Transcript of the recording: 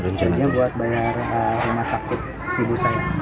rancanya buat bayaran rumah sakit ibu saya